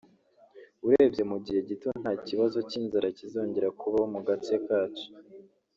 urebye mu gihe gito nta kibazo cy’inzara kizongera kubaho mu gace kacu